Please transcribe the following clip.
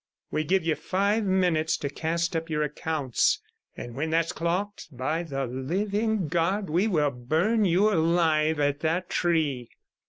We give you five minutes to cast up your accounts, and when that's clocked, by the living God, we will burn you alive at that tree.'